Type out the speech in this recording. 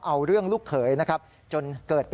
อันนู้นก็บีบแต่